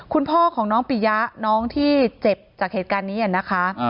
คุณพ่อของน้องปิยะน้องที่เจ็บจากเหตุการณ์นี้นะคะ